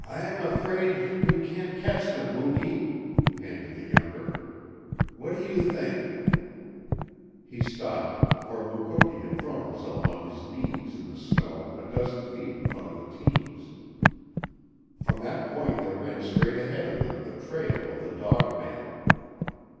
"I'm afraid we can't catch them, Muky," panted the younger. "What do you think " He stopped, for Mukoki had thrown himself on his knees in the snow a dozen feet in front of the teams. From that point there ran straight ahead of them the trail of the dog mail.